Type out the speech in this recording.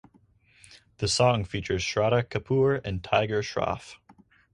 The song features Shraddha Kapoor and Tiger Shroff.